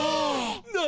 何？